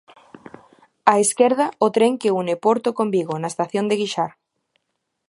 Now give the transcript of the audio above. Á esquerda, o tren que une Porto con Vigo na estación de Guixar.